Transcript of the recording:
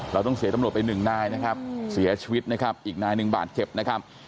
เราต้องเสียตำรวจไปหนึ่งนายนะครับเสียชีวิตนะครับอีกนายหนึ่งบาดเจ็บนะครับ